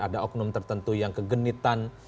ada oknum tertentu yang kegenitan